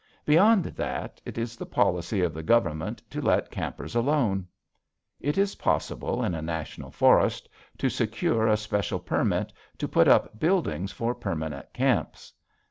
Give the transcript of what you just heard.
Beyond that, it is the policy of the Government to let campers alone. It is possible in a National Forest to secure a special permit to put up buildings for permanent camps.